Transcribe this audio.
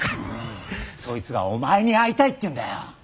そいつがお前に会いたいって言うんだよ。